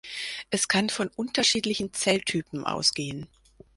Es kann von unterschiedlichen Zelltypen ausgehen.